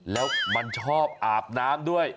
แล้วมันชอบอาบน้ำด้วย